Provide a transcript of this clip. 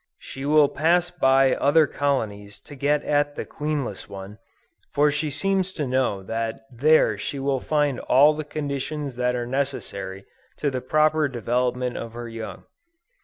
She will pass by other colonies to get at the queenless one, for she seems to know that there she will find all the conditions that are necessary to the proper development of her young.